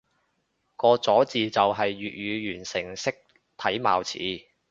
個咗字就係粵語完成式體貌詞